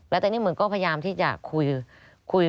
แล้วแต่นี่หมึกก็พยายามที่จะคุย